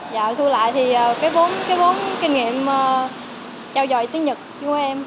dạo thu lại thì cái vốn kinh nghiệm trao dòi tiếng nhật của em